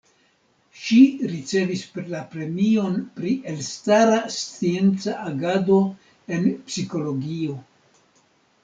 Ŝi ricevis la premion pri elstara scienca agado en Psikologio.